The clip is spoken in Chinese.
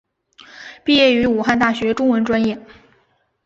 毕业于武汉大学中文专业。